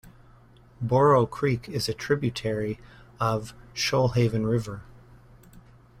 Boro Creek is a tributary of the Shoalhaven River.